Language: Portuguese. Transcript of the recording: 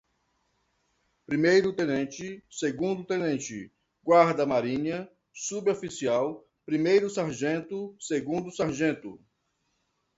Primeiro-Tenente, Segundo-Tenente, Guarda-Marinha, Suboficial, Primeiro-Sargento, Segundo-Sargento